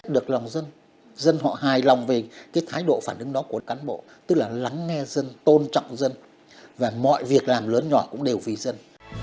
được lòng dân dân họ hài lòng về cái thái độ phản ứng đó của cán bộ tức là lắng nghe dân tôn trọng dân và mọi việc làm lớn nhỏ cũng đều vì dân